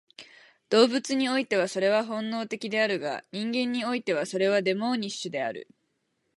動物においてはそれは本能的であるが、人間においてはそれはデモーニッシュである。